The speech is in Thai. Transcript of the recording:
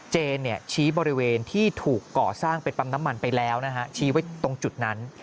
ชี้บริเวณที่ถูกก่อสร้างเป็นปั๊มน้ำมันไปแล้วนะฮะชี้ไว้ตรงจุดนั้น